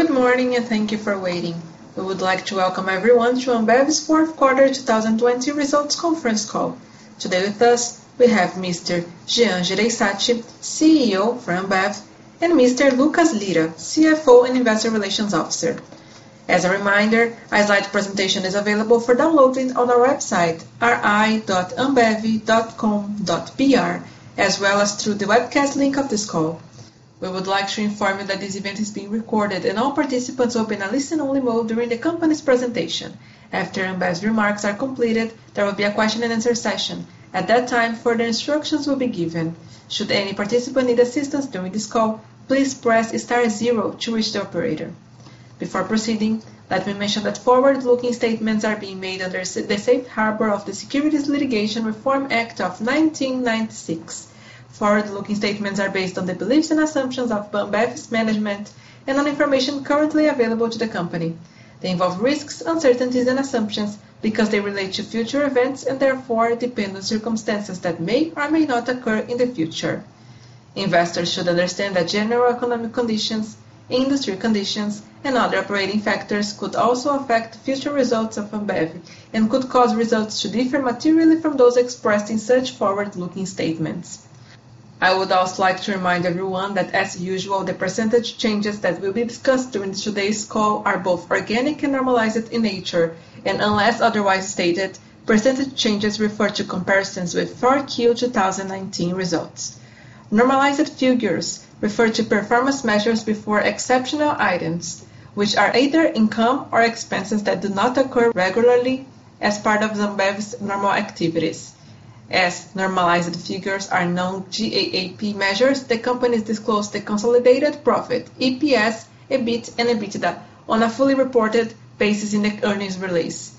Good morning, and thank you for waiting. We would like to welcome everyone to Ambev's fourth quarter 2020 results conference call. Today with us, we have Mr. Jean Jereissati, CEO for Ambev, and Mr. Lucas Lira, CFO and investor relations officer. As a reminder, a slide presentation is available for downloading on our website, ri.ambev.com.br, as well as through the webcast link of this call. We would like to inform you that this event is being recorded and all participants will be in a listen-only mode during the company's presentation. After Ambev's remarks are completed, there will be a question-and-answer session. At that time, further instructions will be given. Should any participant need assistance during this call, please press star zero to reach the operator. Before proceeding, let me mention that forward-looking statements are being made under the safe harbor of the Private Securities Litigation Reform Act of 1995. Forward-looking statements are based on the beliefs and assumptions of Ambev's management and on information currently available to the company. They involve risks, uncertainties, and assumptions because they relate to future events and therefore are dependent on circumstances that may or may not occur in the future. Investors should understand that general economic conditions, industry conditions, and other operating factors could also affect future results of Ambev and could cause results to differ materially from those expressed in such forward-looking statements. I would also like to remind everyone that, as usual, the percentage changes that will be discussed during today's call are both organic and normalized in nature, and unless otherwise stated, percentage changes refer to comparisons with 4Q 2019 results. Normalized figures refer to performance measures before exceptional items, which are either income or expenses that do not occur regularly as part of Ambev's normal activities. As normalized figures are non-GAAP measures, the companies disclose the consolidated profit, EPS, EBIT, and EBITDA on a fully reported basis in the earnings release.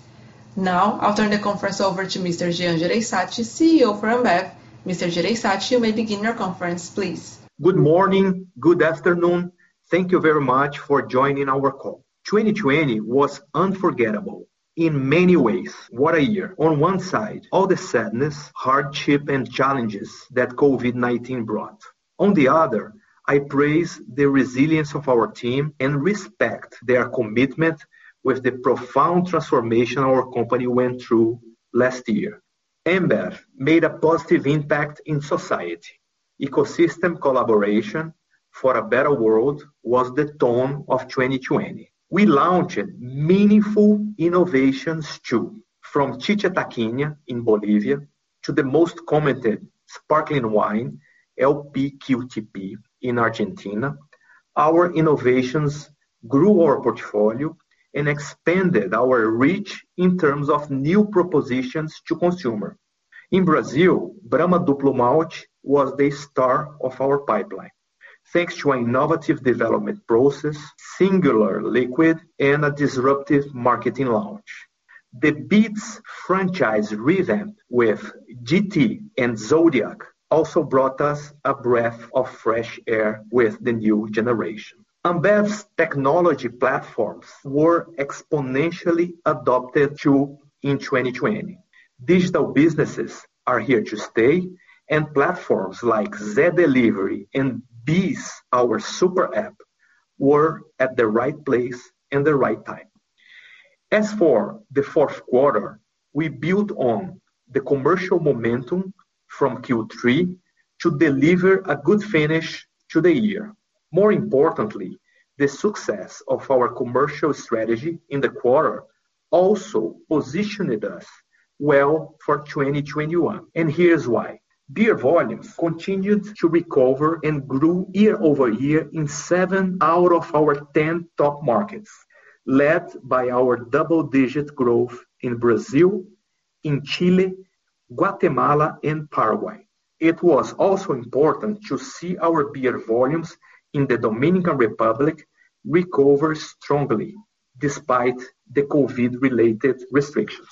I'll turn the conference over to Mr. Jean Jereissati, CEO for Ambev. Mr. Jereissati, you may begin your conference, please. Good morning. Good afternoon. Thank you very much for joining our call. 2020 was unforgettable in many ways. What a year. On one side, all the sadness, hardship, and challenges that COVID-19 brought. On the other, I praise the resilience of our team and respect their commitment with the profound transformation our company went through last year. Ambev made a positive impact in society. Ecosystem collaboration for a better world was the tone of 2020. We launched meaningful innovations, too. From Chicha Taquiña in Bolivia to the most commented sparkling wine, LPQTP, in Argentina, our innovations grew our portfolio and expanded our reach in terms of new propositions to consumer. In Brazil, Brahma Duplo Malte was the star of our pipeline. Thanks to an innovative development process, singular liquid, and a disruptive marketing launch. The Beats franchise revamped with GT and Zodiac also brought us a breath of fresh air with the new generation. Ambev's technology platforms were exponentially adopted too in 2020. Platforms like Zé Delivery and BEES, our super app, were at the right place and the right time. As for the fourth quarter, we built on the commercial momentum from Q3 to deliver a good finish to the year. More importantly, the success of our commercial strategy in the quarter also positioned us well for 2021. Here's why. Beer volumes continued to recover and grew year-over-year in 10 out of our top 13 markets, led by our double-digit growth in Brazil, in Chile, Guatemala, and Paraguay. It was also important to see our beer volumes in the Dominican Republic recover strongly despite the COVID-related restrictions.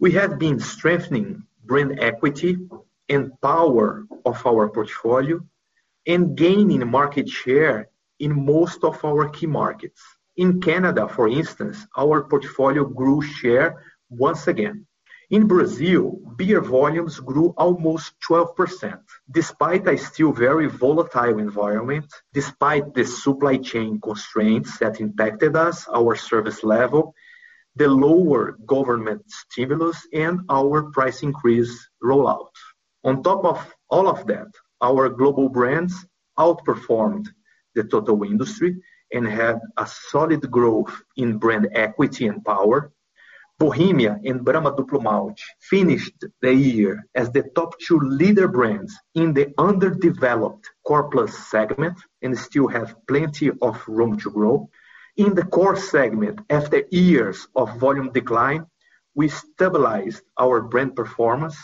We have been strengthening brand equity and power of our portfolio and gaining market share in most of our key markets. In Canada, for instance, our portfolio grew share once again. In Brazil, beer volumes grew almost 12%, despite a still very volatile environment, despite the supply chain constraints that impacted us, our service level, the lower government stimulus, and our price increase rollout. On top of all of that, our global brands outperformed the total industry and had a solid growth in brand equity and power. Bohemia and Brahma Duplo Malte finished the year as the top two leader brands in the underdeveloped Core Plus segment and still have plenty of room to grow. In the core segment, after years of volume decline, we stabilized our brand performance,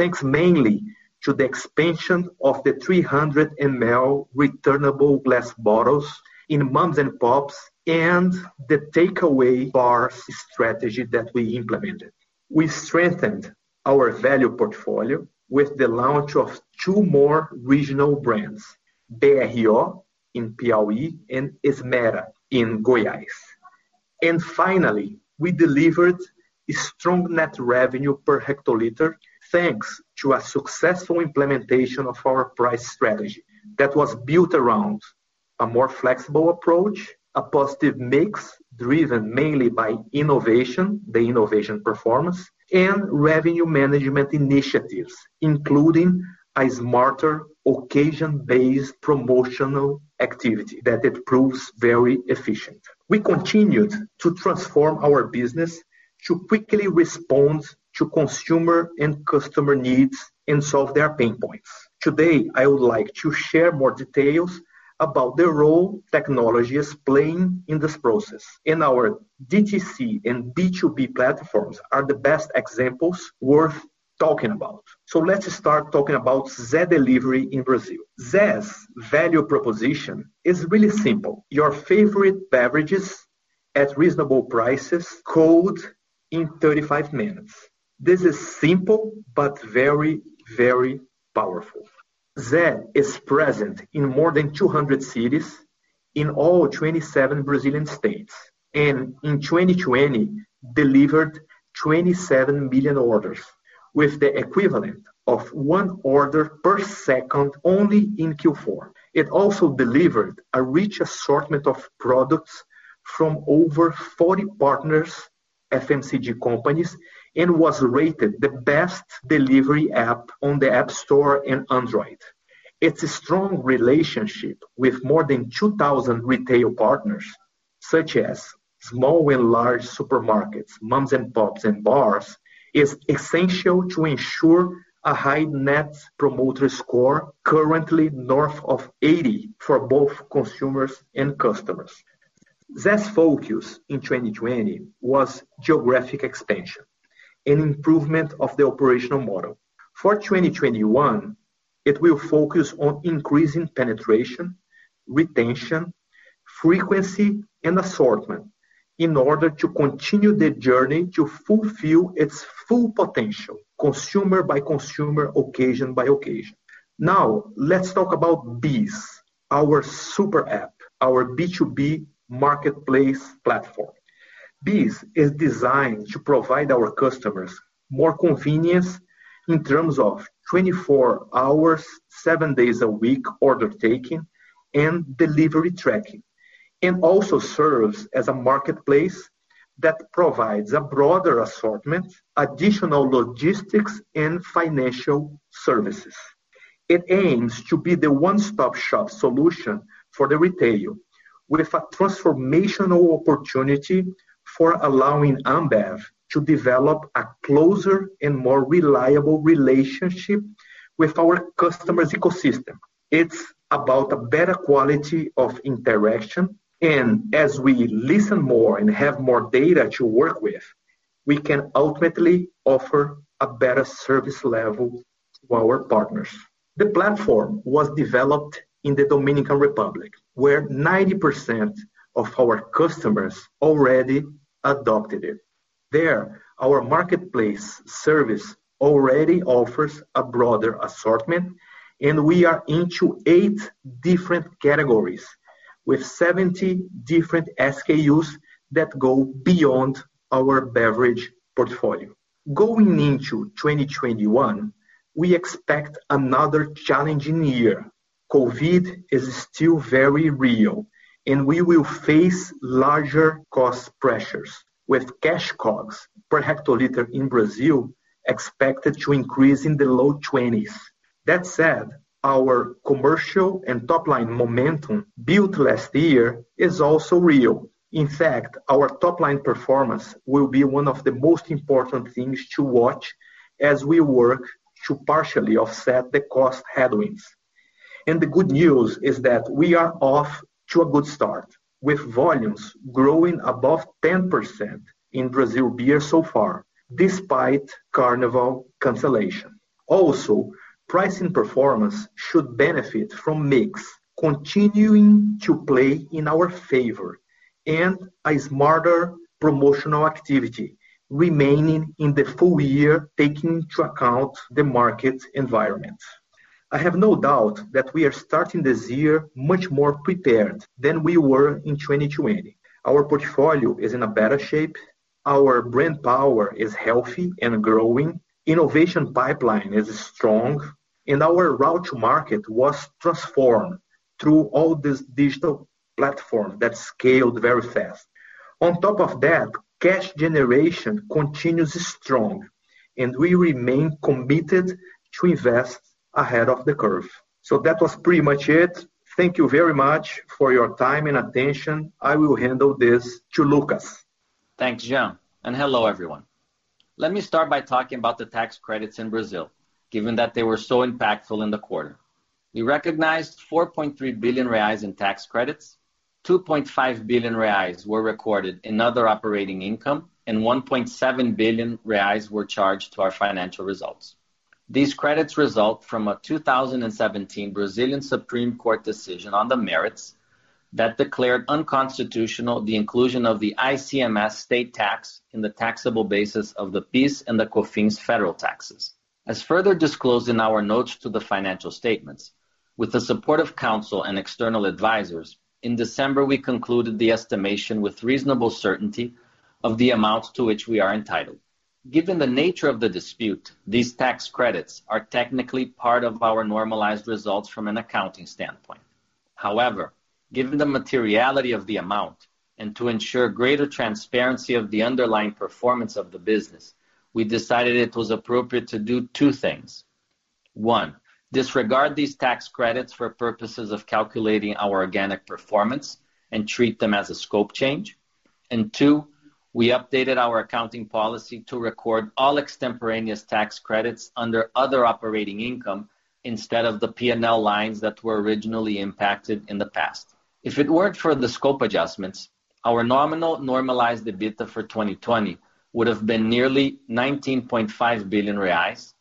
thanks mainly to the expansion of the 300ml returnable glass bottles in moms and pops and the takeaway bar strategy that we implemented. We strengthened our value portfolio with the launch of two more regional brands, Berrió in Piauí and Esmera in Goiás. Finally, we delivered a strong net revenue per hectoliter thanks to a successful implementation of our price strategy that was built around a more flexible approach, a positive mix driven mainly by innovation, the innovation performance, and revenue management initiatives, including a smarter occasion-based promotional activity that it proves very efficient. We continued to transform our business to quickly respond to consumer and customer needs and solve their pain points. Today, I would like to share more details about the role technology is playing in this process, and our DTC and B2B platforms are the best examples worth talking about. Let's start talking about Zé Delivery in Brazil. Zé's value proposition is really simple. Your favorite beverages at reasonable prices, cold, in 35 minutes. This is simple but very, very powerful. Zé is present in more than 200 cities in all 27 Brazilian states, and in 2020, delivered 27 million orders, with the equivalent of one order per second only in Q4. It also delivered a rich assortment of products from over 40 partners, FMCG companies, and was rated the best delivery app on the App Store and Android. It's a strong relationship with more than 2,000 retail partners, such as small and large supermarkets, moms and pops, and bars, is essential to ensure a high Net Promoter Score currently north of 80 for both consumers and customers. Zé's focus in 2020 was geographic expansion and improvement of the operational model. It will focus on increasing penetration, retention, frequency, and assortment in order to continue the journey to fulfill its full potential, consumer by consumer, occasion by occasion. Let's talk about BEES, our super app, our B2B marketplace platform. BEES is designed to provide our customers more convenience in terms of 24 hours, seven days a week order taking and delivery tracking, and also serves as a marketplace that provides a broader assortment, additional logistics, and financial services. It aims to be the one-stop shop solution for the retail with a transformational opportunity for allowing Ambev to develop a closer and more reliable relationship with our customer's ecosystem. It's about a better quality of interaction, and as we listen more and have more data to work with, we can ultimately offer a better service level to our partners. The platform was developed in the Dominican Republic, where 90% of our customers already adopted it. There, our marketplace service already offers a broader assortment, and we are into eight different categories with 70 different SKUs that go beyond our beverage portfolio. Going into 2021, we expect another challenging year. COVID is still very real, and we will face larger cost pressures, with cash COGS per hectoliter in Brazil expected to increase in the low 20s. That said, our commercial and top-line momentum built last year is also real. In fact, our top-line performance will be one of the most important things to watch as we work to partially offset the cost headwinds. The good news is that we are off to a good start, with volumes growing above 10% in Brazil beer so far, despite Carnival cancellation. Also, pricing performance should benefit from mix continuing to play in our favor and a smarter promotional activity remaining in the full year, taking into account the market environment. I have no doubt that we are starting this year much more prepared than we were in 2020. Our portfolio is in a better shape, our brand power is healthy and growing, innovation pipeline is strong, and our route to market was transformed through all this digital platform that scaled very fast. On top of that, cash generation continues strong, and we remain committed to invest ahead of the curve. That was pretty much it. Thank you very much for your time and attention. I will handle this to Lucas. Thanks, Jean, hello, everyone. Let me start by talking about the tax credits in Brazil, given that they were so impactful in the quarter. We recognized 4.3 billion reais in tax credits, 2.5 billion reais were recorded in other operating income, and 1.7 billion reais were charged to our financial results. These credits result from a 2017 Brazilian Supreme Court decision on the merits that declared unconstitutional the inclusion of the ICMS state tax in the taxable basis of the PIS and the COFINS federal taxes. As further disclosed in our notes to the financial statements. With the support of council and external advisors, in December, we concluded the estimation with reasonable certainty of the amount to which we are entitled. Given the nature of the dispute, these tax credits are technically part of our normalized results from an accounting standpoint. However, given the materiality of the amount, and to ensure greater transparency of the underlying performance of the business, we decided it was appropriate to do two things. One, disregard these tax credits for purposes of calculating our organic performance and treat them as a scope change. Two, we updated our accounting policy to record all extemporaneous tax credits under other operating income instead of the P&L lines that were originally impacted in the past. If it weren't for the scope adjustments, our nominal normalized EBITDA for 2020 would've been nearly 19.5 billion reais,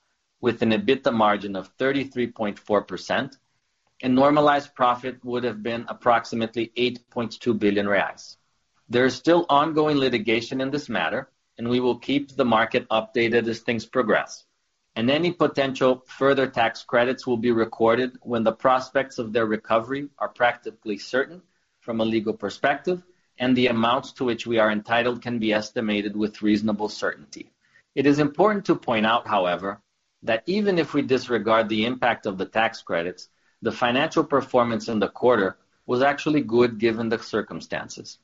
with an EBITDA margin of 33.4%, and normalized profit would've been approximately 8.2 billion reais. There is still ongoing litigation in this matter, and we will keep the market updated as things progress. Any potential further tax credits will be recorded when the prospects of their recovery are practically certain from a legal perspective, and the amounts to which we are entitled can be estimated with reasonable certainty. It is important to point out, however, that even if we disregard the impact of the tax credits, the financial performance in the quarter was actually good given the circumstances.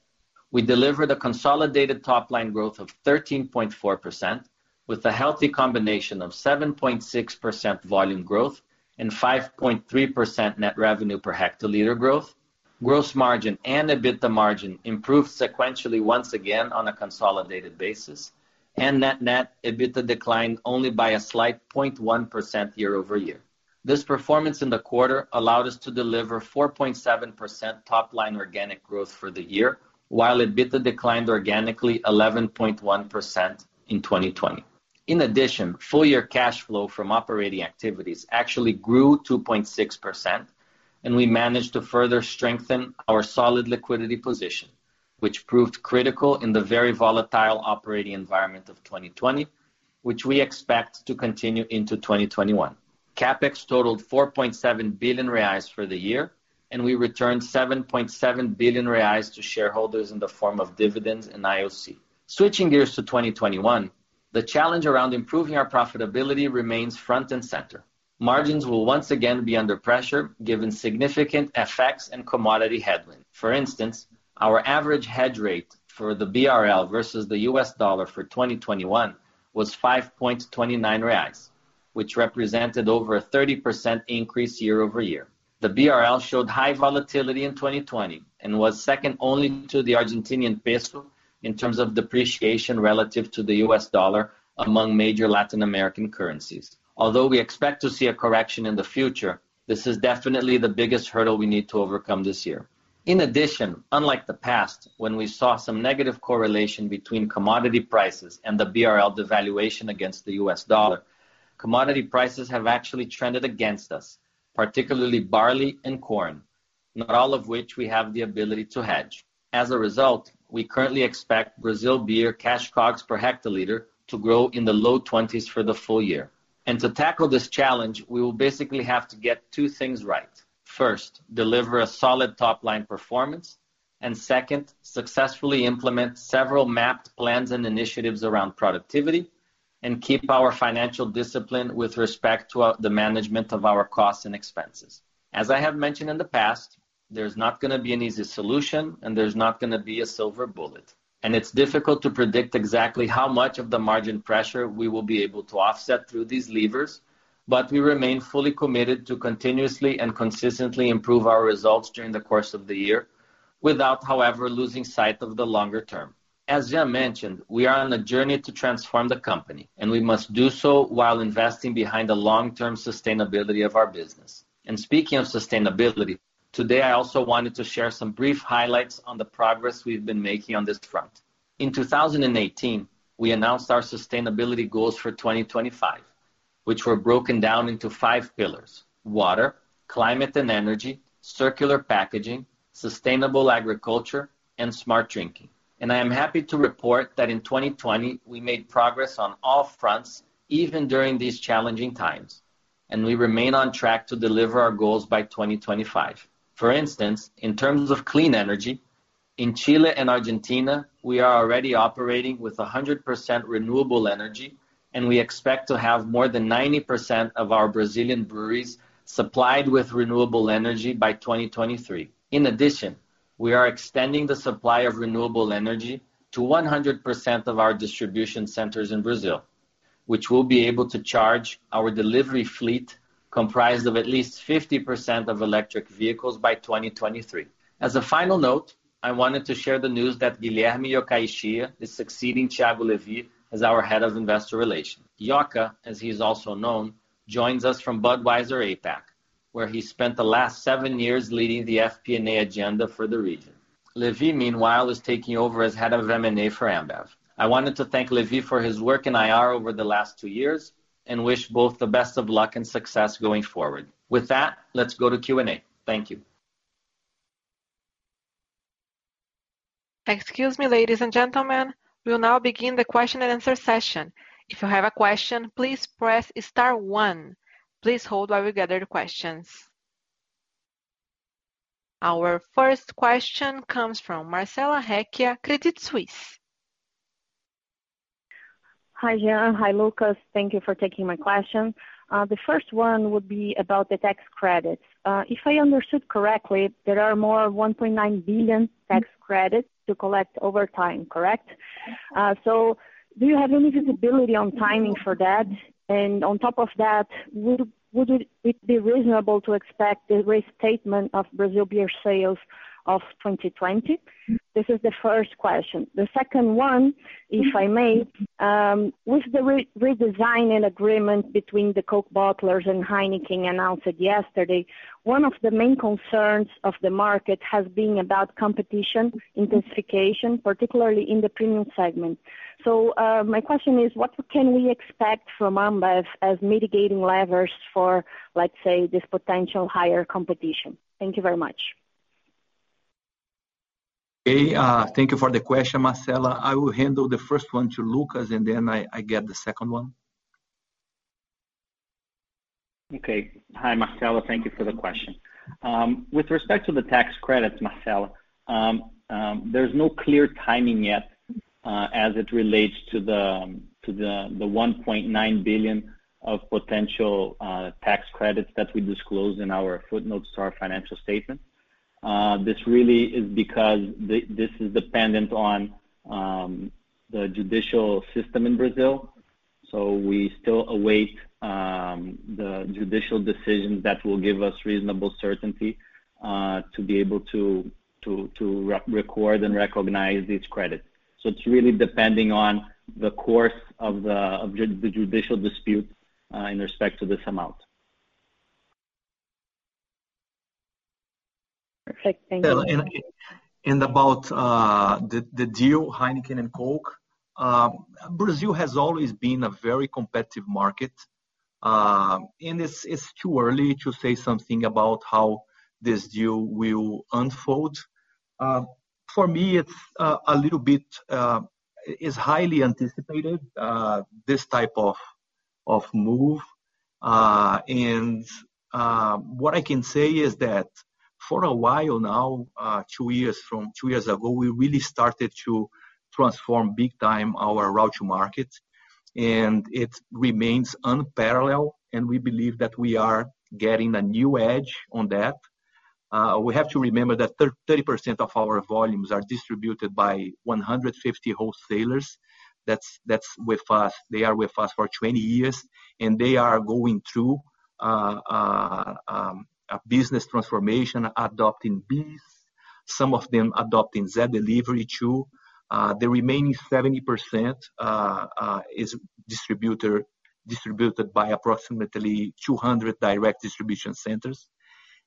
We delivered a consolidated top line growth of 13.4% with a healthy combination of 7.6% volume growth and 5.3% net revenue per hectoliter growth. Gross margin and EBITDA margin improved sequentially once again on a consolidated basis. Net EBITDA declined only by a slight 0.1% year-over-year. This performance in the quarter allowed us to deliver 4.7% top line organic growth for the year, while EBITDA declined organically 11.1% in 2020. Full year cash flow from operating activities actually grew 2.6%, and we managed to further strengthen our solid liquidity position, which proved critical in the very volatile operating environment of 2020, which we expect to continue into 2021. CapEx totaled 4.7 billion reais for the year, and we returned 7.7 billion reais to shareholders in the form of dividends and IOC. Switching gears to 2021, the challenge around improving our profitability remains front and center. Margins will once again be under pressure given significant FX and commodity headwinds. For instance, our average hedge rate for the BRL versus the U.S. dollar for 2021 was 5.29 reais, which represented over a 30% increase year-over-year. The BRL showed high volatility in 2020 and was second only to the Argentinian peso in terms of depreciation relative to the U.S. dollar among major Latin American currencies. Although we expect to see a correction in the future, this is definitely the biggest hurdle we need to overcome this year. In addition, unlike the past, when we saw some negative correlation between commodity prices and the BRL devaluation against the U.S. dollar, commodity prices have actually trended against us, particularly barley and corn, not all of which we have the ability to hedge. As a result, we currently expect Brazil beer cash COGS per hectoliter to grow in the low 20s for the full year. To tackle this challenge, we will basically have to get two things right. First, deliver a solid top-line performance, and second, successfully implement several mapped plans and initiatives around productivity and keep our financial discipline with respect to the management of our costs and expenses. As I have mentioned in the past, there's not going to be an easy solution, and there's not going to be a silver bullet. It's difficult to predict exactly how much of the margin pressure we will be able to offset through these levers, but we remain fully committed to continuously and consistently improve our results during the course of the year, without, however, losing sight of the longer term. As Jean mentioned, we are on a journey to transform the company, and we must do so while investing behind the long-term sustainability of our business. Speaking of sustainability, today I also wanted to share some brief highlights on the progress we've been making on this front. In 2018, we announced our sustainability goals for 2025, which were broken down into five pillars: water, climate and energy, circular packaging, sustainable agriculture, and smart drinking. I am happy to report that in 2020, we made progress on all fronts, even during these challenging times, and we remain on track to deliver our goals by 2025. For instance, in terms of clean energy, in Chile and Argentina, we are already operating with 100% renewable energy, and we expect to have more than 90% of our Brazilian breweries supplied with renewable energy by 2023. In addition, we are extending the supply of renewable energy to 100% of our distribution centers in Brazil, which will be able to charge our delivery fleet comprised of at least 50% of electric vehicles by 2023. As a final note, I wanted to share the news that Guilherme Yokaichiya is succeeding Thiago Levi as our head of investor relations. Yoka, as he's also known, joins us from Budweiser APAC, where he spent the last seven years leading the FP&A agenda for the region. Levi, meanwhile, is taking over as head of M&A for Ambev. I wanted to thank Levi for his work in IR over the last two years and wish both the best of luck and success going forward. With that, let's go to Q&A. Thank you. Excuse me, ladies and gentlemen, we'll now begin the question-and-answer session. If you have a question, please press star one. Our first question comes from Marcela Recchia, Credit Suisse. Hi, Jean. Hi, Lucas. Thank you for taking my questions. The first one would be about the tax credits. If I understood correctly, there are more 1.9 billion tax credits to collect over time, correct? Do you have any visibility on timing for that? On top of that, would it be reasonable to expect a restatement of Brazil beer sales of 2020? This is the first question. The second one, if I may, with the redesign and agreement between the Coke bottlers and Heineken announced yesterday, one of the main concerns of the market has been about competition intensification, particularly in the premium segment. My question is, what can we expect from Ambev as mitigating levers for, let's say, this potential higher competition? Thank you very much. Okay. Thank you for the question, Marcela. I will handle the first one to Lucas, and then I get the second one. Okay. Hi, Marcela. Thank you for the question. With respect to the tax credits, Marcela, there's no clear timing yet as it relates to the 1.9 billion of potential tax credits that we disclosed in our footnotes to our financial statement. This really is because this is dependent on the judicial system in Brazil. We still await the judicial decision that will give us reasonable certainty to be able to record and recognize these credits. It's really depending on the course of the judicial dispute in respect to this amount. Perfect. Thank you. About the deal, Heineken and Coke. Brazil has always been a very competitive market, and it's too early to say something about how this deal will unfold. For me, it's highly anticipated, this type of move. What I can say is that for a while now, from two years ago, we really started to transform big time our route to market, and it remains unparalleled, and we believe that we are getting a new edge on that. We have to remember that 30% of our volumes are distributed by 150 wholesalers. They are with us for 20 years, and they are going through a business transformation, adopting BEES, some of them adopting Zé Delivery too. The remaining 70% is distributed by approximately 200 direct distribution centers.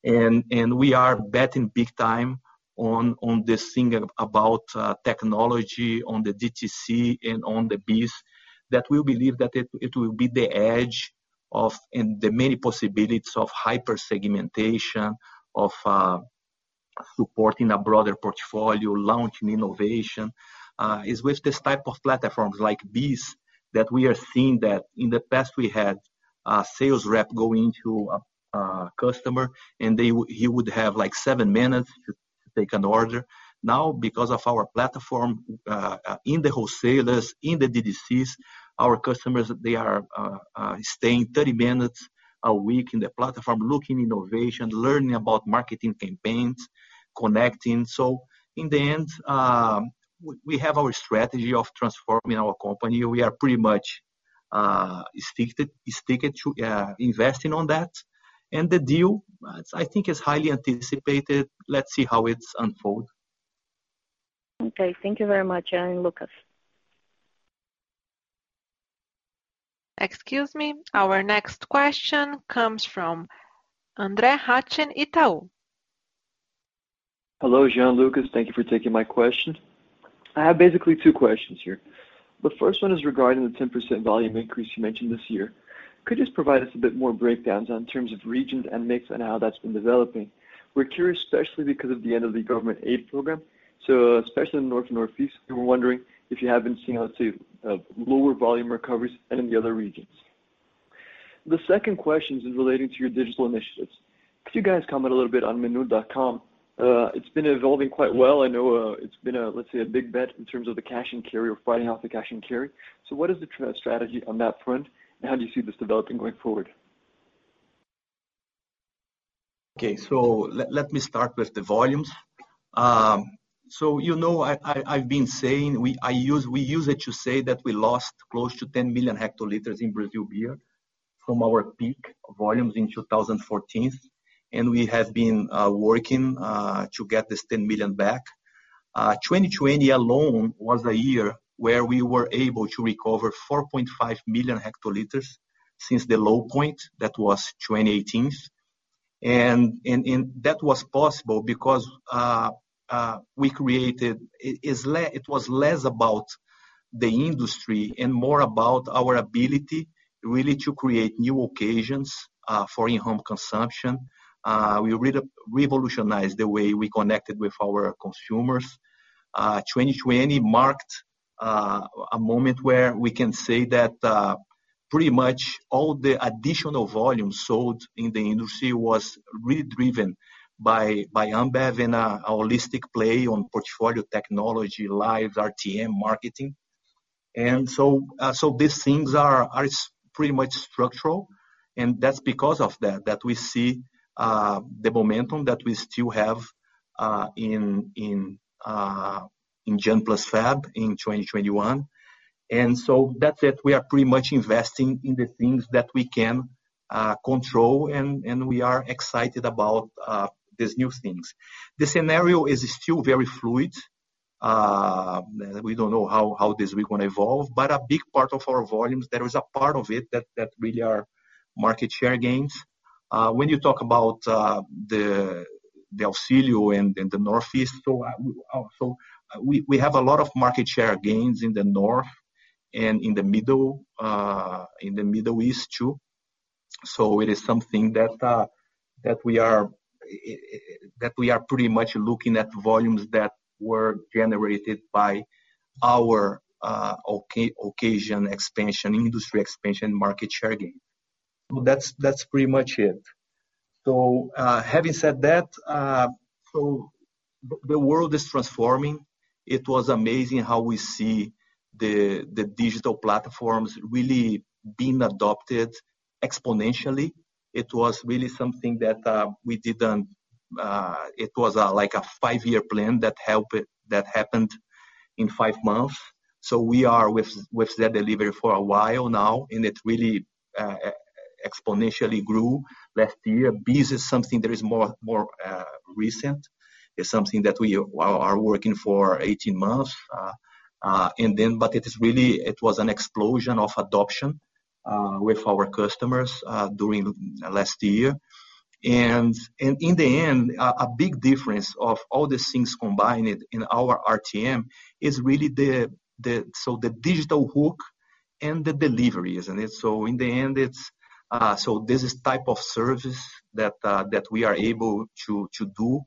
We are betting big time on this thing about technology, on the DTC, and on the BEES, that we believe that it will be the edge and the many possibilities of hyper-segmentation, of supporting a broader portfolio, launching innovation. It is with these type of platforms like BEES that we are seeing that in the past we had a sales rep going to a customer and he would have seven minutes to take an order. Now, because of our platform, in the wholesalers, in the DDCs, our customers, they are staying 30 minutes a week in the platform, looking innovation, learning about marketing campaigns, connecting. In the end, we have our strategy of transforming our company. We are pretty much sticking to investing on that. The deal, I think, is highly anticipated. Let's see how it unfolds. Okay. Thank you very much, Jean and Lucas. Excuse me. Our next question comes from Andre Hachem, Itaú. Hello, Jean, Lucas. Thank you for taking my question. I have basically two questions here. The first one is regarding the 10% volume increase you mentioned this year. Could you just provide us a bit more breakdowns on terms of regions and mix and how that's been developing? We're curious, especially because of the end of the government aid program. Especially in the North and Northeast, we were wondering if you have been seeing, let's say, lower volume recoveries than in the other regions. The second question is relating to your digital initiatives. Could you guys comment a little bit on menu.com? It's been evolving quite well. I know it's been, let's say, a big bet in terms of the cash and carry, of fighting off the cash and carry. What is the strategy on that front, and how do you see this developing going forward? Okay. Let me start with the volumes. You know I've been saying, we usually say that we lost close to 10 million hectoliters in Brazil beer from our peak volumes in 2014, and we have been working to get this 10 million back. 2020 alone was a year where we were able to recover 4.5 million hectoliters since the low point, that was 2018. That was possible because it was less about the industry and more about our ability really to create new occasions for in-home consumption. We revolutionized the way we connected with our consumers. 2020 marked a moment where we can say that pretty much all the additional volume sold in the industry was really driven by Ambev and our holistic play on portfolio technology, live RTM marketing. These things are pretty much structural, and that's because of that we see the momentum that we still have in Jan plus Feb in 2021. That's it. We are pretty much investing in the things that we can control, and we are excited about these new things. The scenario is still very fluid. We don't know how this is going to evolve, but a big part of our volumes, there is a part of it that really are market share gains. When you talk about the Auxílio and the Northeast, we have a lot of market share gains in the North and in the Middle East, too. It is something that we are pretty much looking at volumes that were generated by our occasion expansion, industry expansion, market share gain. That's pretty much it. Having said that, the world is transforming. It was amazing how we see the digital platforms really being adopted exponentially. It was like a five-year plan that happened in five months. We are with Zé Delivery for a while now, and it really exponentially grew last year. BEES is something that is more recent. It's something that we are working for 18 months. It was an explosion of adoption with our customers during last year. In the end, a big difference of all these things combined in our RTM is really the digital hook and the delivery, isn't it? In the end, this type of service that we are able to do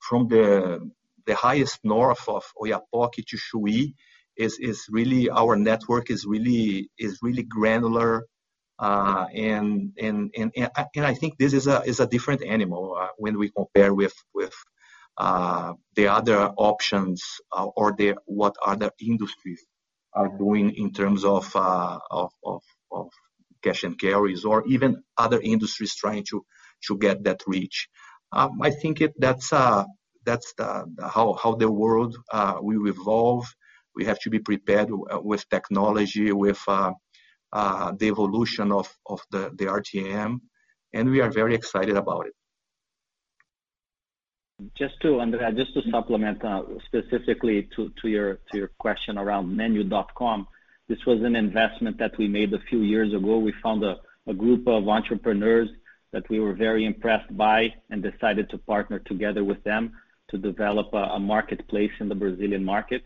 from the highest north of Oiapoque to Chuí, our network is really granular. I think this is a different animal when we compare with the other options or what other industries are doing in terms of cash and carries or even other industries trying to get that reach. I think that's how the world will evolve. We have to be prepared with technology, with the evolution of the RTM, and we are very excited about it. André, just to supplement, specifically to your question around menu.com. This was an investment that we made a few years ago. We found a group of entrepreneurs that we were very impressed by and decided to partner together with them to develop a marketplace in the Brazilian market.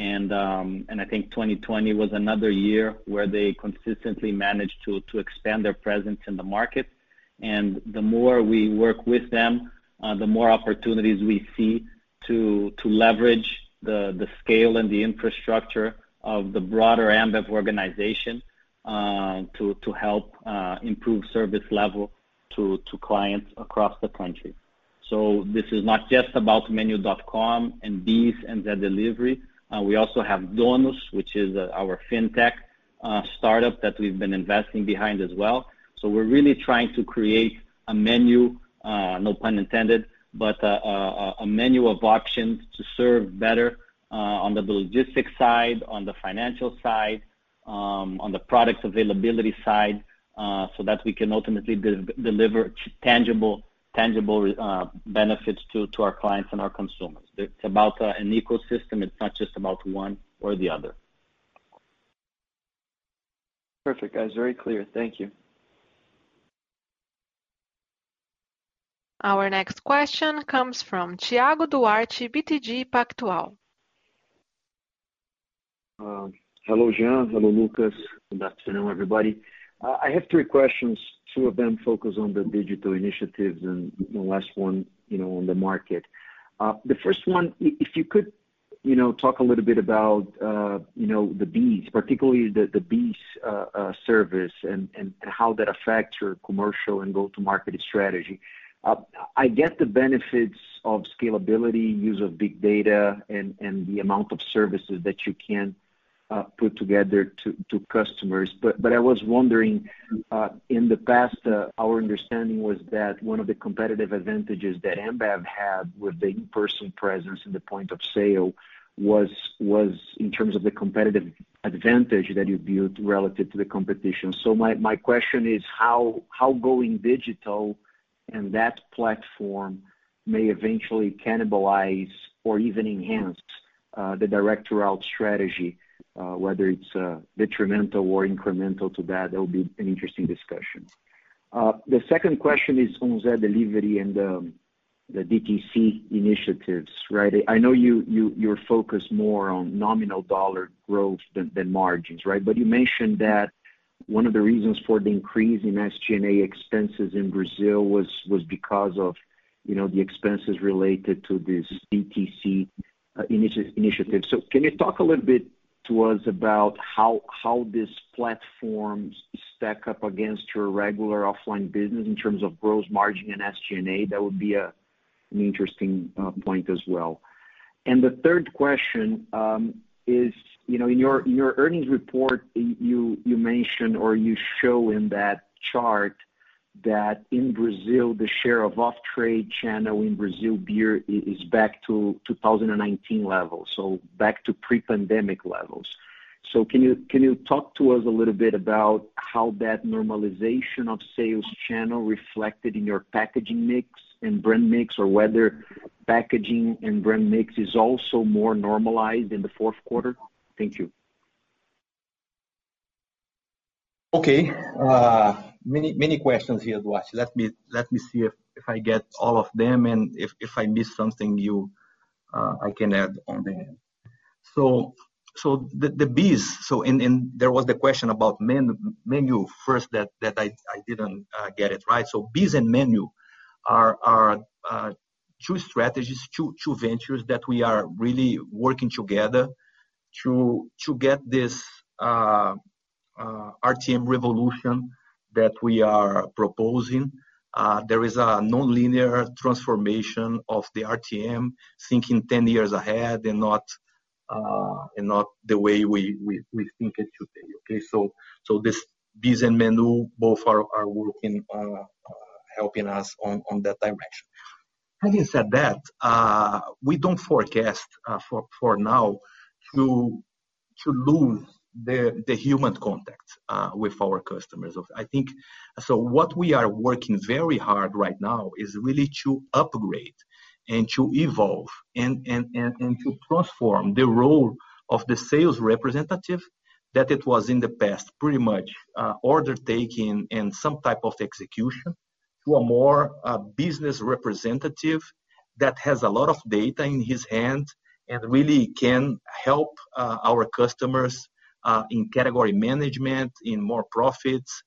I think 2020 was another year where they consistently managed to expand their presence in the market. The more we work with them, the more opportunities we see to leverage the scale and the infrastructure of the broader Ambev organization to help improve service level to clients across the country. This is not just about menu.com and BEES and Zé Delivery. We also have Donus, which is our fintech startup that we've been investing behind as well. We're really trying to create a menu, no pun intended, but a menu of options to serve better on the logistics side, on the financial side, on the products availability side, so that we can ultimately deliver tangible benefits to our clients and our consumers. It's about an ecosystem. It's not just about one or the other. Perfect, guys. Very clear. Thank you. Our next question comes from Thiago Duarte, BTG Pactual. Hello, Jean. Hello, Lucas. Good afternoon, everybody. I have three questions. Two of them focus on the digital initiatives and the last one on the market. The first one, if you could talk a little bit about the BEES, particularly the BEES service and how that affects your commercial and go-to-market strategy. I get the benefits of scalability, use of big data, and the amount of services that you can put together to customers. I was wondering, in the past, our understanding was that one of the competitive advantages that Ambev had with the in-person presence and the point of sale was in terms of the competitive advantage that you built relative to the competition. My question is, how going digital and that platform may eventually cannibalize or even enhance the direct route strategy, whether it's detrimental or incremental to that? That will be an interesting discussion. The second question is on Zé Delivery and the DTC initiatives, right? I know you're focused more on nominal dollar growth than margins, right? You mentioned that one of the reasons for the increase in SG&A expenses in Brazil was because of the expenses related to this DTC initiative. Can you talk a little to us about how these platforms stack up against your regular offline business in terms of gross margin and SG&A? That would be an interesting point as well. The third question is, in your earnings report, you mentioned or you show in that chart that in Brazil, the share of off-trade channel in Brazil beer is back to 2019 levels, so back to pre-pandemic levels. Can you talk to us a little bit about how that normalization of sales channel reflected in your packaging mix and brand mix, or whether packaging and brand mix is also more normalized in the fourth quarter? Thank you. Okay. Many questions here, Duarte. Let me see if I get all of them, and if I miss something, I can add on the end. The BEES, and there was the question about menu.com first that I didn't get it right. BEES and menu.com both are working, helping us on that direction. There is a nonlinear transformation of the RTM, thinking 10 years ahead and not the way we think it today. Okay, this BEES and menu.com both are working, helping us on that direction. Having said that, we don't forecast, for now, to lose the human contact with our customers. What we are working very hard right now is really to upgrade and to evolve and to transform the role of the sales representative, that it was in the past pretty much order taking and some type of execution, to a more business representative that has a lot of data in his hand and really can help our customers in category management, in more profits,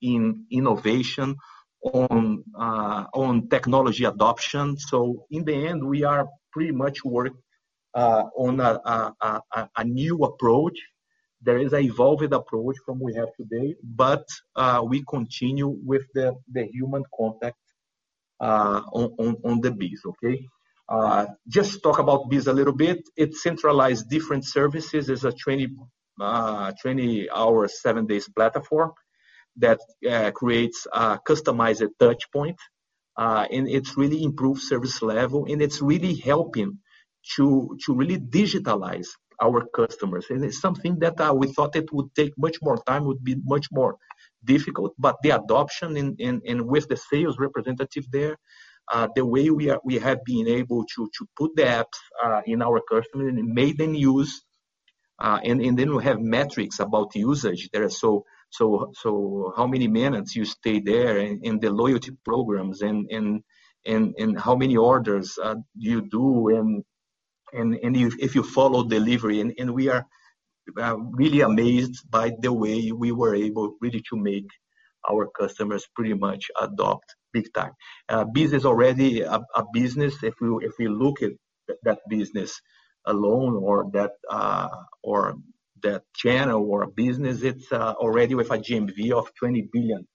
in innovation, on technology adoption. In the end, we are pretty much working on a new approach. There is an evolved approach from we have today, but we continue with the human contact on the BEES. Okay? Just talk about BEES a little bit. It centralized different services. It is a 20-hour, seven days platform that creates a customized touch point, and it is really improved service level, and it is really helping to really digitalize our customers. It's something that we thought it would take much more time, would be much more difficult, but the adoption and with the sales representative there, the way we have been able to put the apps in our customer and made them use, and then we have metrics about usage there. How many minutes you stay there in the loyalty programs and how many orders you do and if you follow delivery in? We are really amazed by the way we were able really to make our customers pretty much adopt big time. BEES is already a business. If you look at that business alone or that channel or business, it's already with a GMV of 20 billion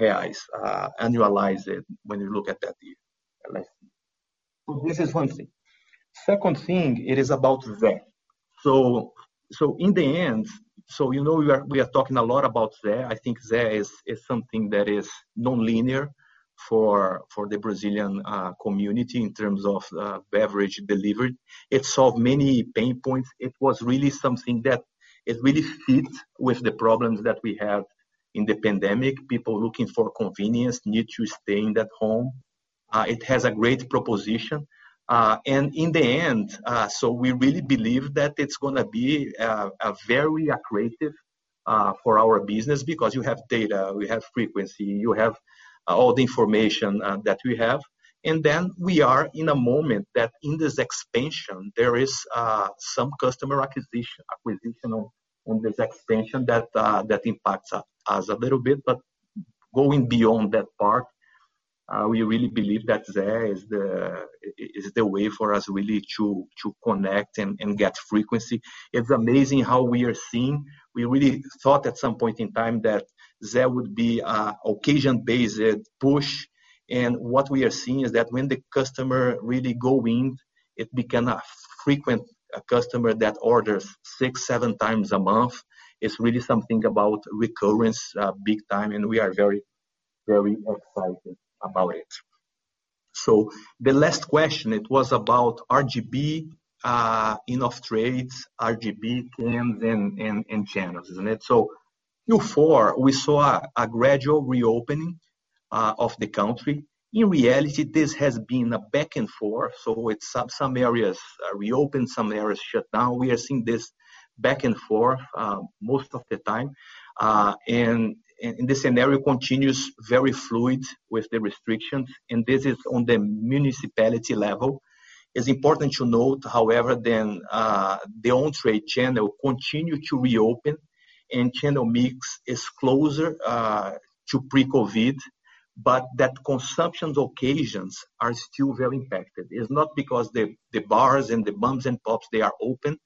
reais, annualized when you look at that year. This is one thing. Second thing, it is about Zé. In the end, you know we are talking a lot about Zé. I think Zé is something that is nonlinear for the Brazilian community in terms of beverage delivery. It solved many pain points. It was really something that it really fit with the problems that we had in the pandemic. People looking for convenience, need to staying at home. It has a great proposition. In the end, we really believe that it's going to be very accretive for our business because you have data, we have frequency, you have all the information that we have. We are in a moment that in this expansion, there is some customer acquisition on this expansion that impacts us a little bit. Going beyond that part, we really believe that Zé is the way for us really to connect and get frequency. It's amazing how we are seeing. We really thought at some point in time that Zé would be a occasion-based push, and what we are seeing is that when the customer really go in, it become a frequent customer that orders six, seven times a month. It's really something about recurrence big time, and we are very excited about it. The last question, it was about RGB in off-trades, RGB trends and channels, isn't it? Q4, we saw a gradual reopening of the country. In reality, this has been a back and forth, so some areas reopen, some areas shut down. We are seeing this back and forth most of the time. The scenario continues very fluid with the restrictions, and this is on the municipality level. It's important to note, however, the on-trade channel continue to reopen, and channel mix is closer to pre-COVID. Consumption occasions are still very impacted. It's not because the bars and the moms and pops, they are open,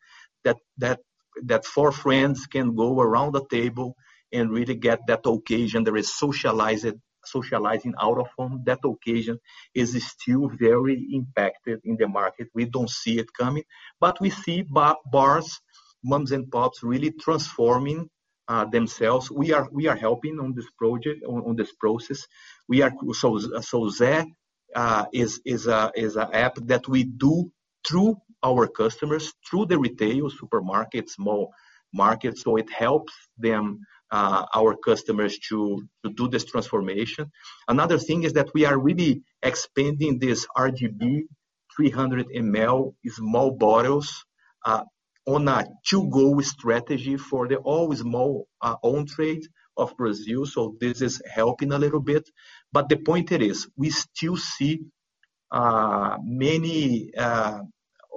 that four friends can go around the table and really get that occasion. There is socializing out of home. That occasion is still very impacted in the market. We don't see it coming. We see bars, moms and pops really transforming themselves. We are helping on this process. Zé is a app that we do through our customers, through the retail supermarkets, small markets. It helps our customers to do this transformation. Another thing is that we are really expanding this RGB 300ml small bottles on a to-go strategy for the all small on-trade of Brazil. This is helping a little bit. The point is, we still see many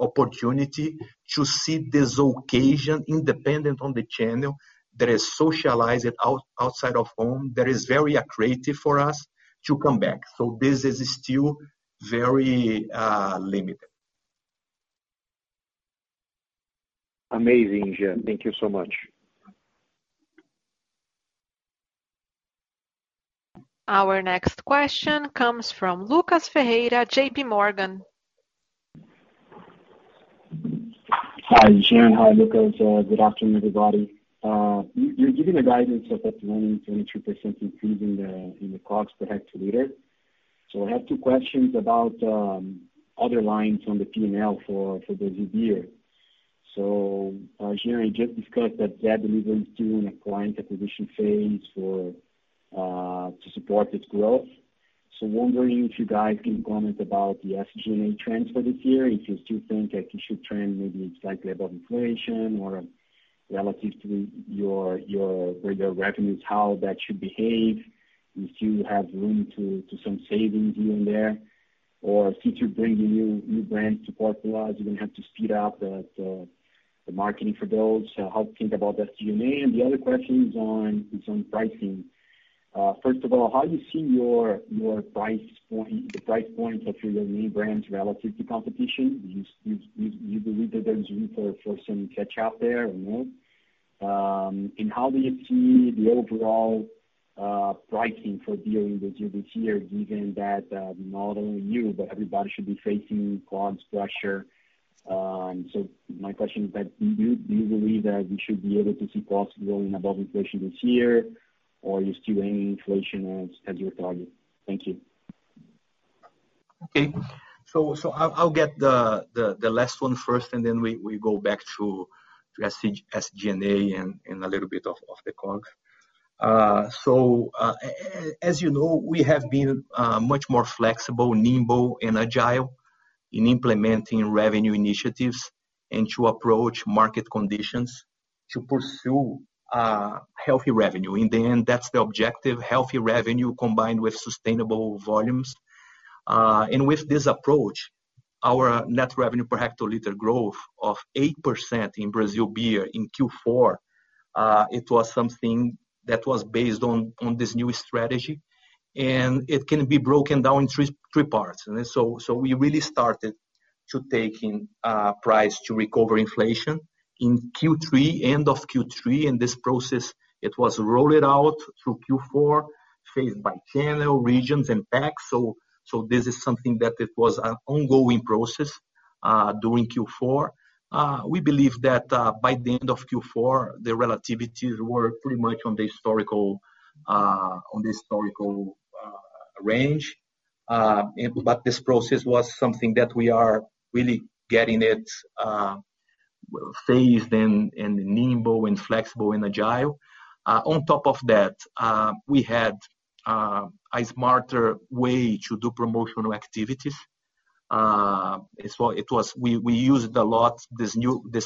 opportunities to see this occasion independent of the channel that is socialized outside of home, that is very creative for us to come back. This is still very limited. Amazing, Jean. Thank you so much. Our next question comes from Lucas Ferreira, JPMorgan. Hi, Jean. Hi, Lucas. Good afternoon, everybody. You're giving a guidance of up to 20%-22% increase in the COGS per hectoliter. I have two questions about other lines on the P&L for this year. Jean, you just discussed that Zé Delivery is still in a client acquisition phase to support its growth. Wondering if you guys can comment about the SG&A trends for this year, if you still think that it should trend maybe slightly above inflation, or relative to where your revenue is, how that should behave. Do you still have room to some savings here and there? Since you're bringing new brands to portfolios, you're going to have to speed up the marketing for those. How to think about the SG&A? The other question is on pricing. First of all, how do you see the price points of your new brands relative to competition? Do you believe that there is room for some catch-up there or no? How do you see the overall pricing for beer in Brazil this year, given that not only you, but everybody should be facing COGS pressure? My question is that, do you believe that we should be able to see COGS growing above inflation this year? Are you still aiming inflation as your target? Thank you. Okay. I'll get the last one first, and then we go back to SG&A and a little bit of the COGS. As you know, we have been much more flexible, nimble, and agile in implementing revenue initiatives and to approach market conditions to pursue healthy revenue. In the end, that's the objective, healthy revenue combined with sustainable volumes. With this approach, our net revenue per hectoliter growth of 8% in Brazil beer in Q4, it was something that was based on this new strategy, and it can be broken down in three parts. We really started to taking price to recover inflation in Q3, end of Q3. This process, it was rolled out through Q4, phased by channel, regions, and packs. This is something that it was an ongoing process during Q4. We believe that by the end of Q4, the relativities were pretty much on the historical range. This process was something that we are really getting it phased, and nimble, and flexible, and agile. On top of that, we had a smarter way to do promotional activities. We used a lot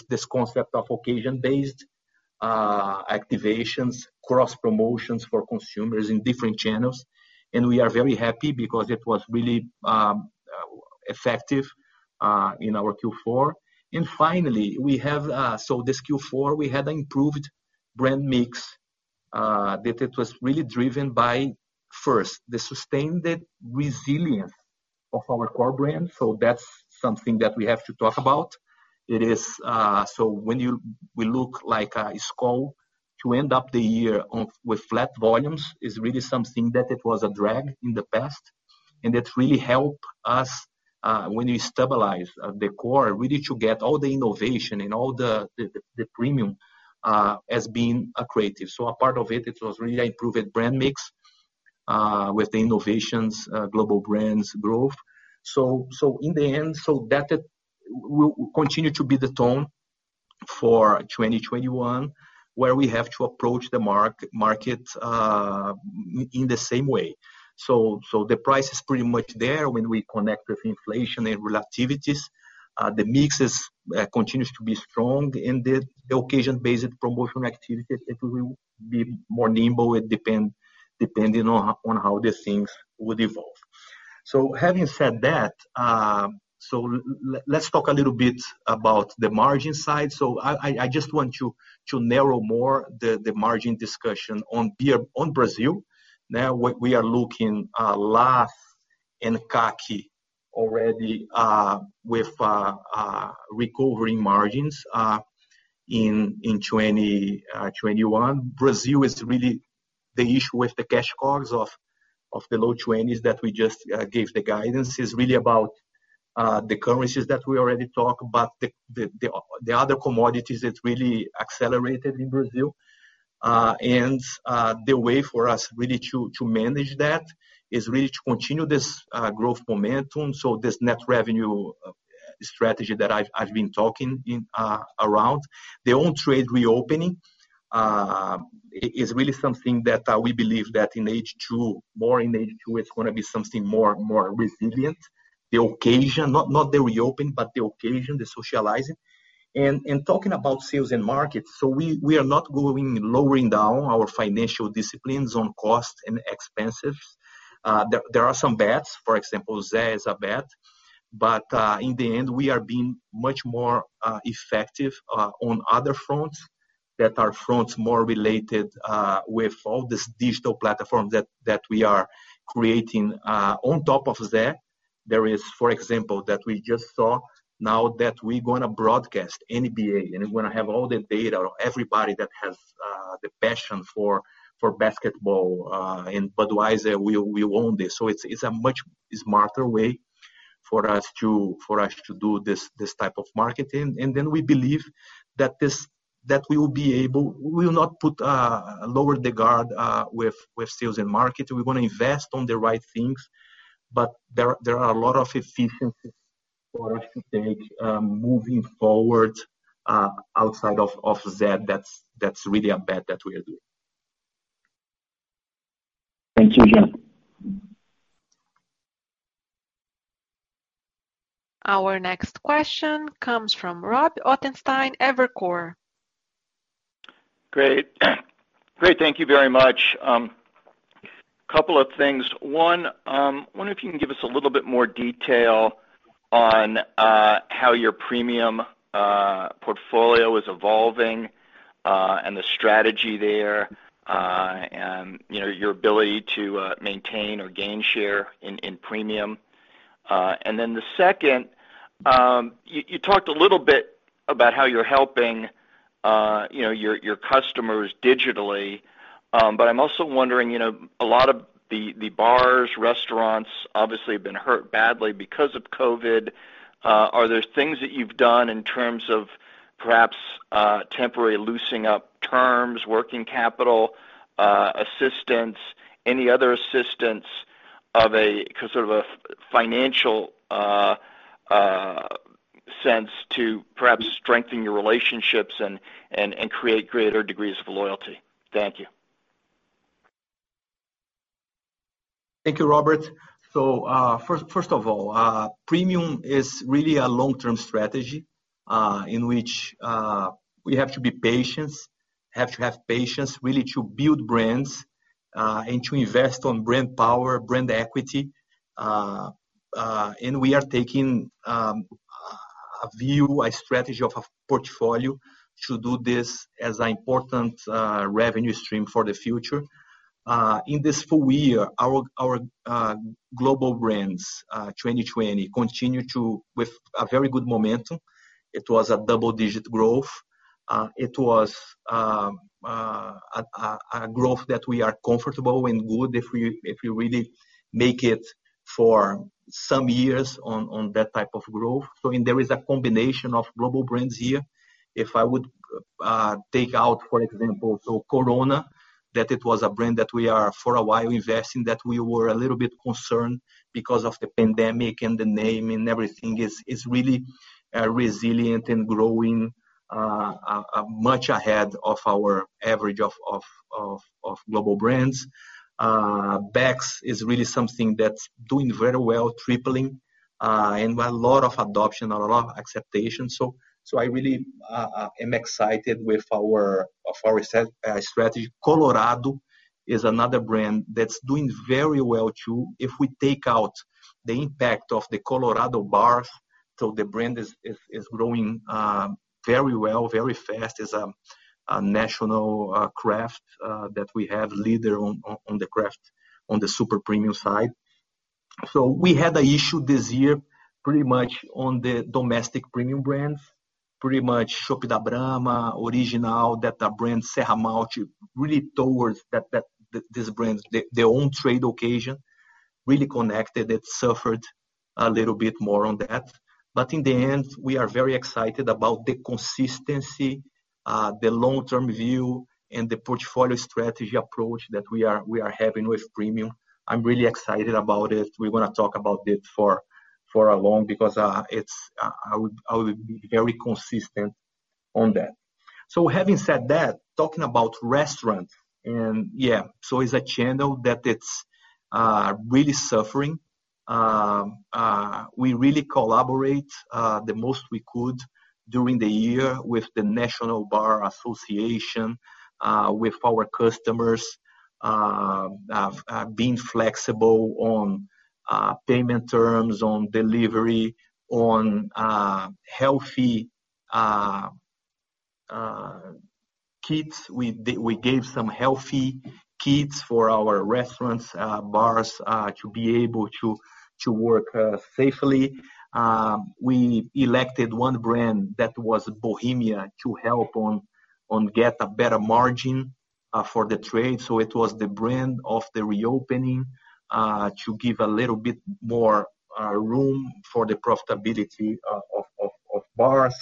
this concept of occasion-based activations, cross-promotions for consumers in different channels, and we are very happy because it was really effective in our Q4. Finally, this Q4, we had improved brand mix, that it was really driven by, first, the sustained resilience of our core brand. That's something that we have to talk about. When we look like a Skol to end up the year with flat volumes is really something that it was a drag in the past, and it really help us, when we stabilize the core, really to get all the innovation and all the premium as being creative. A part of it was really improved brand mix, with the innovations, global brands growth. In the end, so that will continue to be the tone for 2021, where we have to approach the market in the same way. The price is pretty much there when we connect with inflation and relativities. The mix continues to be strong, and the occasion-based promotional activities, it will be more nimble depending on how these things would evolve. Having said that, let's talk a little bit about the margin side. I just want to narrow more the margin discussion on Brazil. Now, we are looking LAS and CAC already, with recovering margins in 2021. Brazil is really the issue with the cash cores of the low 20s that we just gave the guidance. It is really about the currencies that we already talked about, the other commodities that really accelerated in Brazil. The way for us really to manage that, is really to continue this growth momentum. This net revenue strategy that I've been talking around. The on-trade reopening is really something that we believe that in H2, more in H2, it's going to be something more resilient. The occasion, not the reopen, but the occasion, the socializing. Talking about sales and markets, we are not going lowering down our financial disciplines on cost and expenses. There are some bets, for example, Zé is a bet. In the end, we are being much more effective on other fronts, that are fronts more related with all these digital platforms that we are creating. On top of Zé, there is, for example, that we just saw now that we're going to broadcast NBA, and we're going to have all the data. Everybody that has the passion for basketball, in Budweiser, we own this. It's a much smarter way for us to do this type of marketing. We believe that we will not lower the guard with sales and market. We're going to invest on the right things. There are a lot of efficiencies for us to take moving forward outside of Zé, that's really a bet that we are doing. Thank you, Jean. Our next question comes from Rob Ottenstein, Evercore. Great. Great, thank you very much. Couple of things. One, wonder if you can give us a little bit more detail on how your premium portfolio is evolving, and the strategy there. Your ability to maintain or gain share in premium. Then the second, you talked a little bit about how you're helping your customers digitally. I'm also wondering, a lot of the bars, restaurants obviously have been hurt badly because of COVID. Are there things that you've done in terms of perhaps temporary loosening up terms, working capital, assistance, any other assistance of a financial sense to perhaps strengthen your relationships and create greater degrees of loyalty? Thank you. Thank you, Robert. First of all, premium is really a long-term strategy in which we have to be patient, have to have patience really to build brands, and to invest on brand power, brand equity. We are taking a view, a strategy of a portfolio to do this as an important revenue stream for the future. In this full year, our global brands, 2020, continue with a very good momentum. It was a double-digit growth. It was a growth that we are comfortable and good if we really make it for some years on that type of growth. There is a combination of global brands here. If I would take out, for example, Corona, that it was a brand that we are for a while investing, that we were a little bit concerned because of the pandemic and the name and everything, is really resilient and growing much ahead of our average of global brands. Beck's is really something that's doing very well, tripling, a lot of adoption, a lot of acceptation. I really am excited with our strategy. Colorado is another brand that's doing very well, too. If we take out the impact of the Colorado bars, the brand is growing very well, very fast as a national craft that we have leader on the craft, on the super premium side. We had a issue this year pretty much on the domestic premium brands. Pretty much Chopp Brahma, Original, that brand Serramalte, really towards these brands. Their own trade occasion really connected. It suffered a little bit more on that. In the end, we are very excited about the consistency, the long-term view, and the portfolio strategy approach that we are having with premium. I'm really excited about it. We're going to talk about it for a long, because I would be very consistent on that. Having said that, talking about restaurant, and yeah, so it's a channel that it's really suffering. We really collaborate the most we could during the year with the National Bar Association, with our customers, being flexible on payment terms, on delivery, on healthy kits. We gave some healthy kits for our restaurants, bars to be able to work safely. We elected one brand, that was Bohemia, to help get a better margin for the trade. It was the brand of the reopening, to give a little bit more room for the profitability of bars.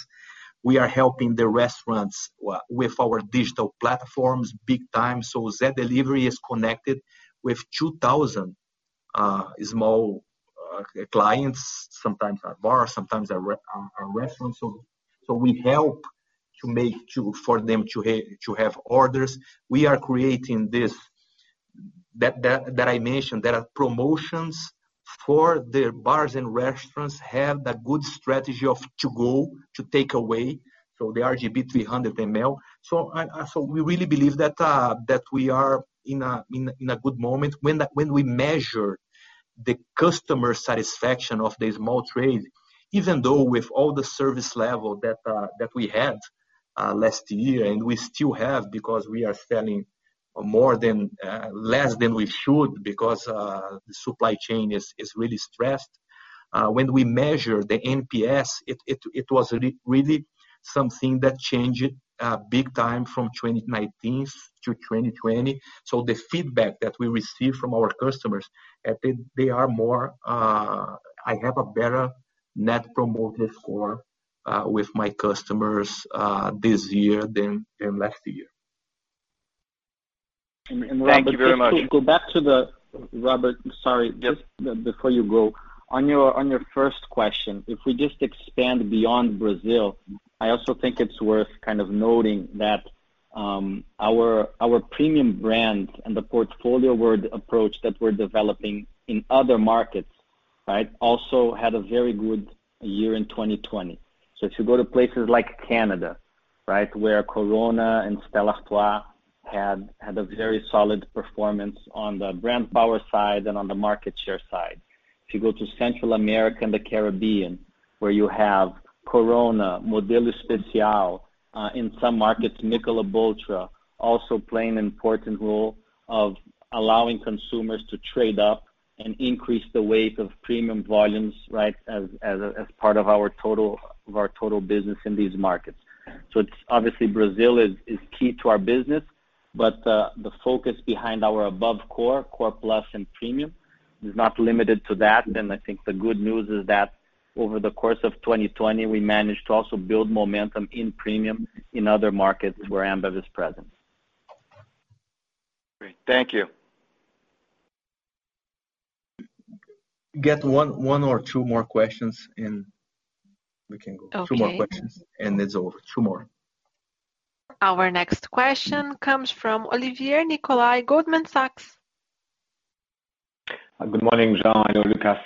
We are helping the restaurants with our digital platforms big time. Zé Delivery is connected with 2,000 small clients, sometimes a bar, sometimes a restaurant. We help for them to have orders. We are creating this, that I mentioned, that are promotions for the bars and restaurants, have that good strategy of to go, to take away, so the RGB 300ml. We really believe that we are in a good moment. When we measure the customer satisfaction of the small trade, even though with all the service level that we had last year, and we still have, because we are selling less than we should because the supply chain is really stressed. When we measure the NPS, it was really something that changed big time from 2019 to 2020. The feedback that we receive from our customers, they are more, "I have a better Net Promoter Score with my customers this year than last year. Thank you very much. Just to go back to Robert, sorry. Just before you go. On your first question, if we just expand beyond Brazil, I also think it's worth kind of noting that our premium brands and the portfolio approach that we're developing in other markets, also had a very good year in 2020. If you go to places like Canada, where Corona and Stella Artois had a very solid performance on the brand power side and on the market share side. If you go to Central America and the Caribbean, where you have Corona, Modelo Especial, in some markets, Michelob ULTRA, also play an important role of allowing consumers to trade up and increase the weight of premium volumes, as part of our total business in these markets. Obviously Brazil is key to our business, but the focus behind our above core, Core Plus and premium is not limited to that. I think the good news is that over the course of 2020, we managed to also build momentum in premium in other markets where Ambev is present. Great. Thank you. Get one or two more questions in, we can go. Okay. Two more questions, and it's over. Two more. Our next question comes from Olivier Nicolai, Goldman Sachs. Good morning, Jean. Hello, Lucas.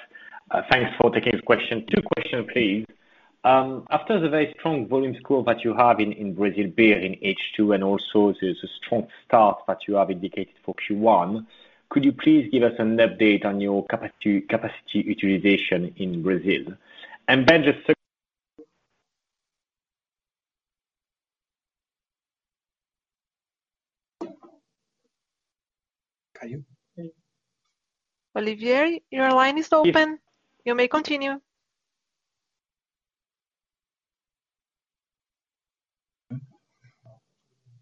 Thanks for taking the question. Two question, please. After the very strong volume score that you have in Brazil beer in H2 and also the strong start that you have indicated for Q1, could you please give us an update on your capacity utilization in Brazil? Then just second. Olivier, your line is open. You may continue.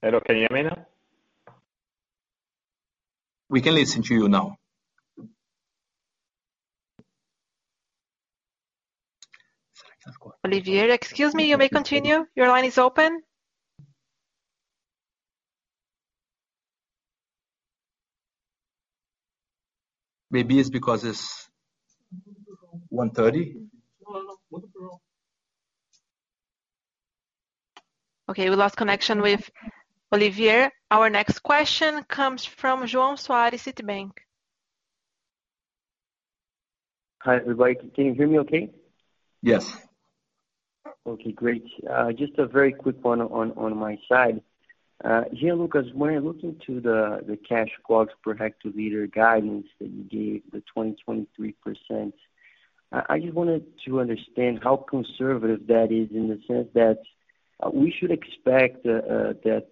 Hello, can you hear me now? We can listen to you now. Olivier, excuse me. You may continue. Your line is open. Maybe it's because it's 1:30. We lost connection with Olivier. Our next question comes from João Soares, Citibank. Hi, everybody. Can you hear me okay? Yes. Okay, great. Just a very quick one on my side. Jean, Lucas, when I look into the cash COGS per hectoliter guidance that you gave, the 20%, 23%, I just wanted to understand how conservative that is in the sense that we should expect that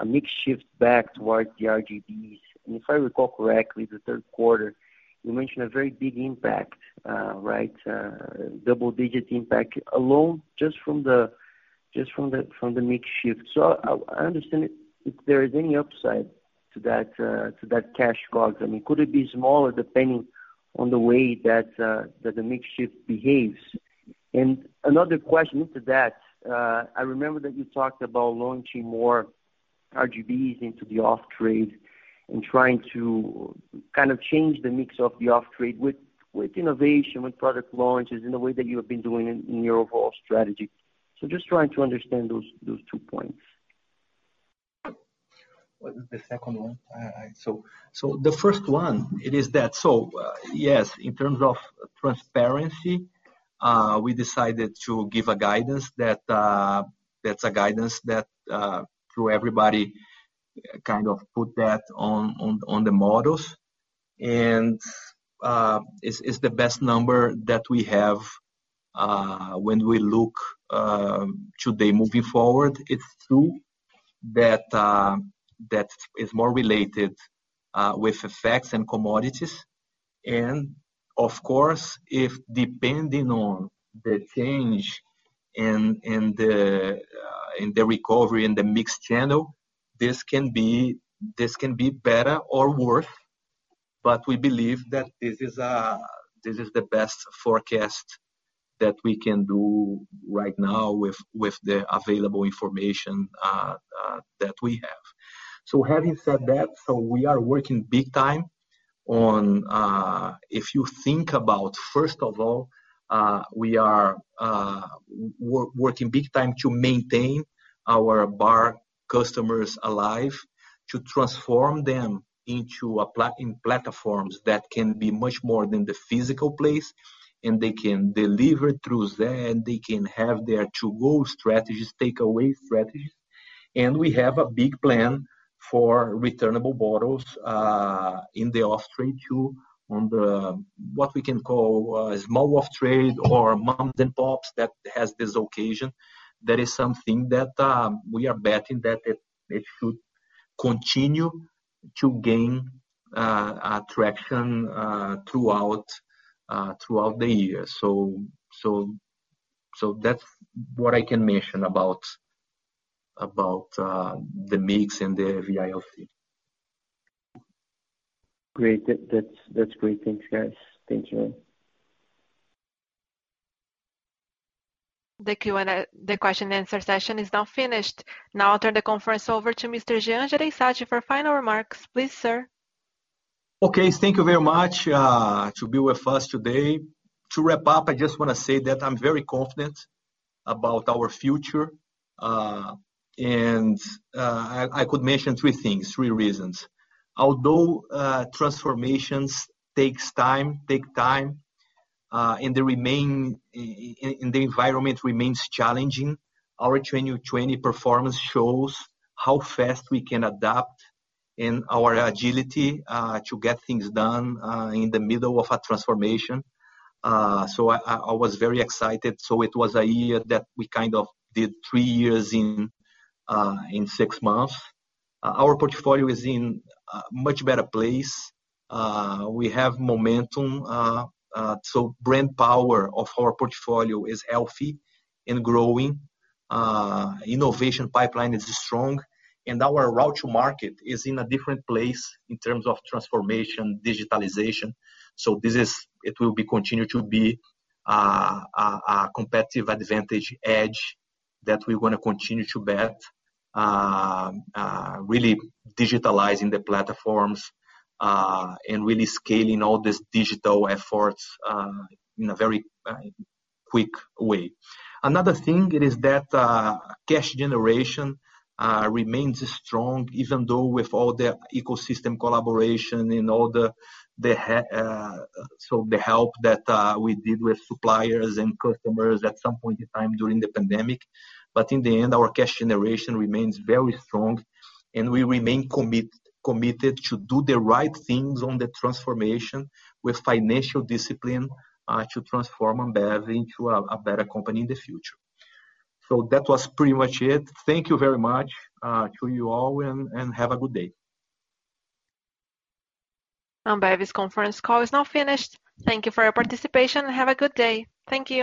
a mix shift back towards the RGBs. If I recall correctly, the third quarter, you mentioned a very big impact, double-digit impact alone just from the mix shift. I understand if there is any upside to that cash COGS. Could it be smaller depending on the way that the mix shift behaves? Another question to that. I remember that you talked about launching more RGBs into the off-trade and trying to kind of change the mix of the off-trade with innovation, with product launches in the way that you have been doing in your overall strategy. Just trying to understand those two points. What is the second one? The first one, it is that, so yes, in terms of transparency, we decided to give a guidance. That's a guidance that through everybody kind of put that on the models, and it's the best number that we have when we look today moving forward. It's true that it's more related with effects and commodities, and of course, if depending on the change in the recovery, in the mix channel, this can be better or worse, but we believe that this is the best forecast that we can do right now with the available information that we have. Having said that, we are working big time to maintain our bar customers alive, to transform them into platforms that can be much more than the physical place, and they can deliver through there, and they can have their to-go strategies, takeaway strategies. We have a big plan for returnable bottles in the off-trade too, on the, what we can call, small off-trade or mom-and-pops that has this occasion. That is something that we are betting that it should continue to gain attraction throughout the year. That's what I can mention about the mix and the VIOC. Great. That's great. Thank you, guys. Thank you. The question-and-answer session is now finished. Now I'll turn the conference over to Mr. Jean Jereissati for final remarks. Please, sir. Okay. Thank you very much to be with us today. To wrap up, I just want to say that I'm very confident about our future, and I could mention three things, three reasons. Although transformations take time, and the environment remains challenging, our 2020 performance shows how fast we can adapt and our agility to get things done in the middle of a transformation. I was very excited. It was a year that we kind of did three years in six months. Our portfolio is in a much better place. We have momentum. Brand power of our portfolio is healthy and growing. Innovation pipeline is strong, and our route to market is in a different place in terms of transformation, digitalization. It will continue to be a competitive advantage edge that we're going to continue to bet, really digitalizing the platforms, and really scaling all these digital efforts in a very quick way. Another thing it is that cash generation remains strong, even though with all the ecosystem collaboration and all the help that we did with suppliers and customers at some point in time during the pandemic. In the end, our cash generation remains very strong, and we remain committed to do the right things on the transformation, with financial discipline to transform Ambev into a better company in the future. That was pretty much it. Thank you very much to you all, and have a good day. Ambev's conference call is now finished. Thank you for your participation, and have a good day. Thank you.